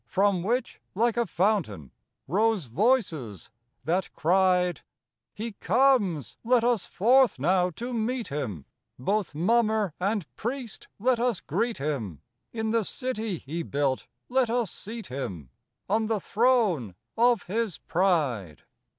from which, like a fountain, Rose voices that cried: "He comes! Let us forth now to meet him! Both mummer and priest let us greet him! In the city he built let us seat him On the throne of his pride!"